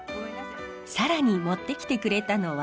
更に持ってきてくれたのは。